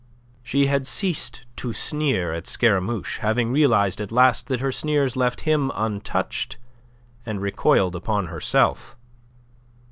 She had ceased to sneer at Scaramouche, having realized at last that her sneers left him untouched and recoiled upon herself.